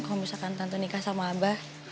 kalau misalkan tante nikah sama abah